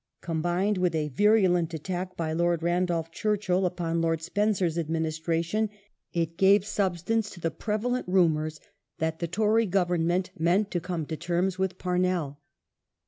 Combined with a virulent attack by Lord Randolph Churchill upon Lord Spencer's administration, it gave substance to the prevalent rumours that the Tory Government meant to come to terms with Pamell.